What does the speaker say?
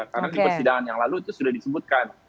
karena di persidangan yang lalu itu sudah disebutkan